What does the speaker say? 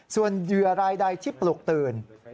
ส่วนเหยื่อรายใดที่ปลุกตื่น